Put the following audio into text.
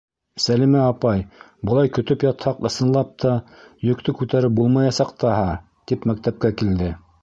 Сәлимә апай, былай көтөп ятһаҡ, ысынлап та, йөктө күтәреп булмаясаҡ таһа, тип мәктәпкә килде.